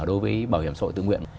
đối với bảo hiểm xã hội tự nguyện